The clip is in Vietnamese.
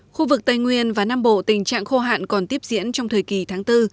khu vực tây nguyên và nam bộ tình trạng khô hạn còn tiếp diễn trong thời kỳ tháng bốn